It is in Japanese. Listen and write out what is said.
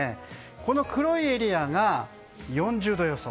この黒いエリアが４０度予想。